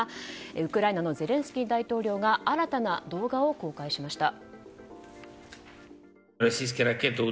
ウクライナのゼレンスキー大統領が新たな動画を公開しました。